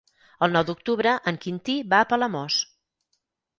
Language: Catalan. El nou d'octubre en Quintí va a Palamós.